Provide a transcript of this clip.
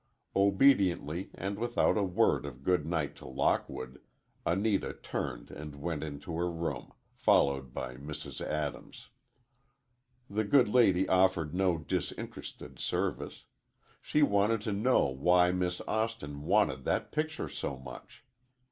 Obediently, and without a word of good night to Lockwood, Anita turned and went into her room, followed by Mrs. Adams. The good lady offered no disinterested service. She wanted to know why Miss Austin wanted that picture so much.